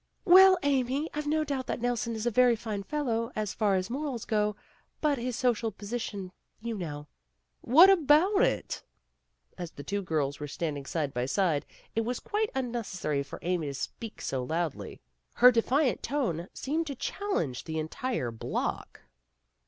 "Well, Amy, Pve no doubt that Nelson is a very fine fellow, as far as morals go, but his social position, you know " "What about it?" As the two girls were standing side by side, it was quite unneces sary for Amy to speak so loudly. Her defiant 90 PEGGY RAYMOND'S WAY tone seemed to challenge the entire block.